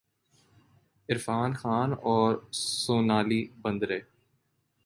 عرفان خان اور سونالی بیندر ے